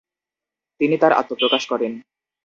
তিনি তার আত্মপ্রকাশ করেন।